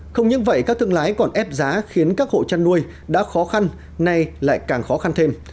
không những vậy các thương lái còn ép giá khiến các hộ chăn nuôi đã khó khăn nay lại càng khó khăn thêm